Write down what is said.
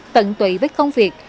tận tụy với công việc